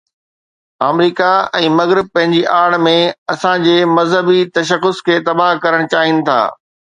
آمريڪا ۽ مغرب پنهنجي آڙ ۾ اسان جي مذهبي تشخص کي تباهه ڪرڻ چاهين ٿا.